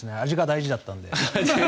味が大事だったので。